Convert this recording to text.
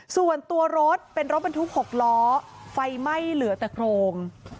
ส่วนตัวรถเป็นรถบรรทุก๖ล้อไฟไหม้เหลือแต่โครง